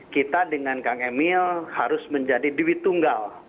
kita dengan kang emil harus menjadi duit tunggal